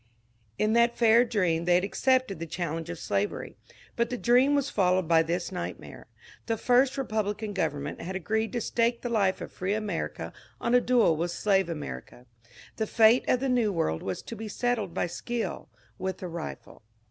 In that fair dream they had accepted the chal lenge of slavery ; but the dream was followed by this night mare : the first Republican government had agreed to stake the life of free America on a duel with slave America. The fate of the New World was to be settled by skill with the rifle.